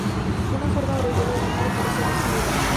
Una forma abreviada del nombre parece haber sido Da.